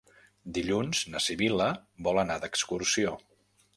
Dilluns na Sibil·la vol anar d'excursió.